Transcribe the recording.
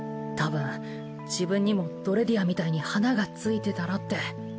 たぶん自分にもドレディアみたいに花がついてたらって。